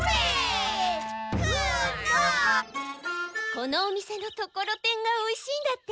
このお店のところてんがおいしいんだって。